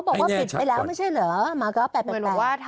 แต่เขาบอกว่าปิดไปแล้วไม่ใช่เหรอ